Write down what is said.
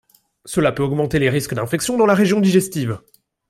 Cela peut augmenter les risques d’infections dans la région digestive.